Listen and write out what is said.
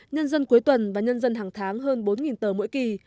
nhân dân cuối tuần và nhân dân hàng tháng hơn bốn tờ mỗi kỳ